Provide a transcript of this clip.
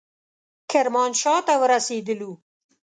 کرمانشاه ته ورسېدلو.